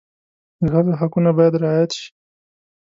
د ښځو حقونه باید رعایت شي.